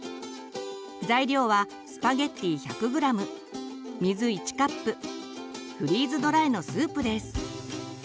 材料はスパゲッティ１００ｇ水１カップフリーズドライのスープです。